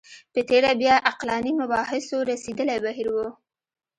په تېره بیا عقلاني مباحثو رسېدلی بهیر و